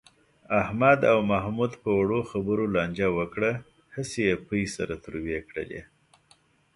احمد او محمود په وړو خبرو لانجه وکړه. هسې یې پۍ سره تروې کړلې.